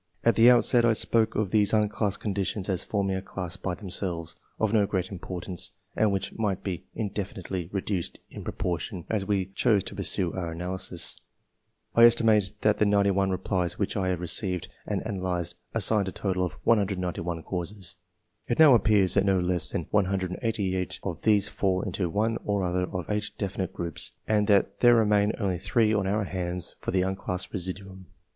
At the outset I spoke of these unclassed conditions as forming a class by themselves, of no great importance, and which might be indefinitely reduced in pro portion as we chose to pursue our analysis. I estimate that the 91 replies which I have re ceived and' analysed assign a total of 191 causes. It now appears that no less than 188 of these fall into one or other of 8 definite groups, and that there remain only 3 on our hands for the unclassed residuimi.